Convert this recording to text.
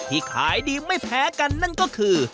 ขายดีไม่แพ้กันนั่นก็คือ